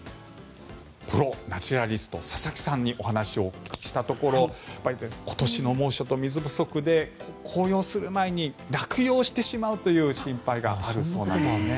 プロナチュラリスト佐々木さんにお話をお聞きしたところ今年の猛暑と水不足で紅葉する前に落葉してしまうという心配があるそうなんです。